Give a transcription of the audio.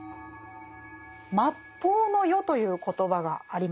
「末法の世」という言葉がありましたよね。